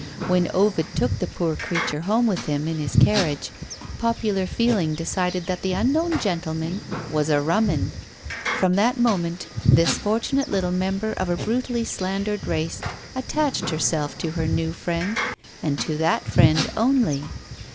When Ovid took the poor creature home with him in his carriage, popular feeling decided that the unknown gentleman was "a rum 'un." From that moment, this fortunate little member of a brutally slandered race attached herself to her new friend, and to that friend only.